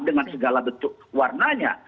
dengan segala bentuk warnanya